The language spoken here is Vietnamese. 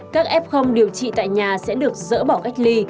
các f điều trị tại nhà sẽ được dỡ bỏ cách ly